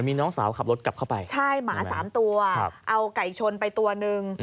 มีน้องสาวขับรถกลับเข้าไปใช่หมา๓ตัวเอาไก่ชนไปตัวนึง